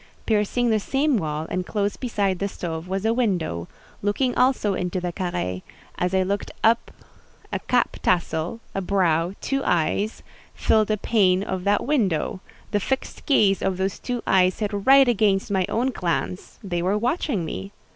Piercing the same wall, and close beside the stove, was a window, looking also into the carré; as I looked up a cap tassel, a brow, two eyes, filled a pane of that window; the fixed gaze of those two eyes hit right against my own glance: they were watching me.